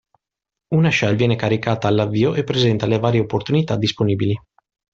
Una shell viene caricata all'avvio e presenta le varie opportunità disponibili.